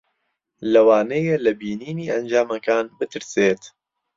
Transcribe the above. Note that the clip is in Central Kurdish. لەوانەیە لە بینینی ئەنجامەکان بترسێت.